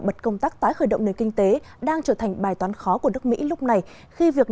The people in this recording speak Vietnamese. bật công tác tái khởi động nền kinh tế đang trở thành bài toán khó của nước mỹ lúc này khi việc